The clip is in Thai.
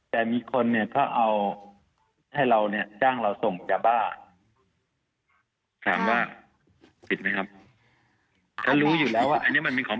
แต่มีคนเนี่ยเขาเอาให้เราเนี่ยจ้างเราส่งจากบ้าน